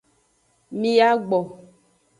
Mi yi agbo.